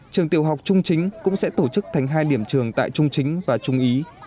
trường tiểu học trung chính cũng sẽ tổ chức thành hai điểm trường tại trung chính và trung ý